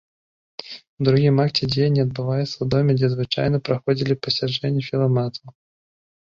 У другім акце дзеянне адбываецца ў доме, дзе звычайна праходзілі пасяджэнні філаматаў.